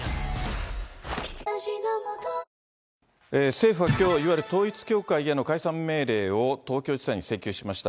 政府はきょう、いわゆる統一教会への解散命令を東京地裁に請求しました。